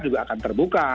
juga akan terbuka